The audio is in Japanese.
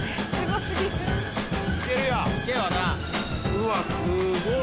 ・うわすごっ・・